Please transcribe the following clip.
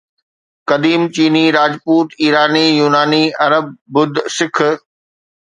قديم چيني، راجپوت، ايراني، يوناني، عرب، ٻڌ، سک،